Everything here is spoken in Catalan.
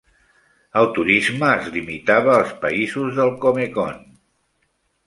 El turisme es limitava als països del Comecon.